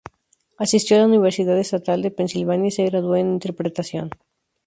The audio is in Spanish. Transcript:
Asistió a la Universidad Estatal de Pensilvania y se graduó en Interpretación.